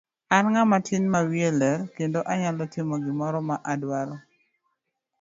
An ng'ama tin ma wiye ler kendo anyalo timo gimoro ma adwaro.